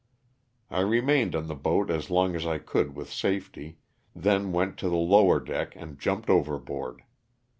I remained on the boat as long as I could with safety, then went to the lower deck and jumped overboard.